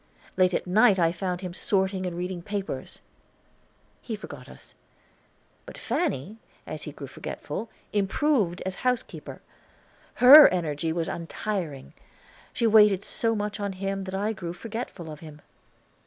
Late at night I found him sorting and reading papers. He forgot us. But Fanny, as he grew forgetful, improved as housekeeper. Her energy was untiring; she waited so much on him that I grew forgetful of him.